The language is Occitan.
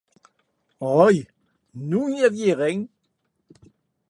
Ò!, que non i auie arren.